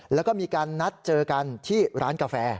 แล้วก็มีการนัดเจอกันที่ร้านกาแฟ